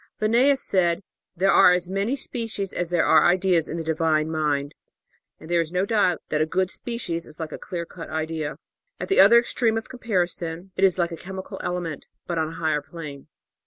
Linnaeus said: "There are as many species as there were ideas in the Divine Mind," and there is no doubt that a good species is like a clear cut idea. At the other extreme of comparison, it is like a chemical element, but on a higher plane.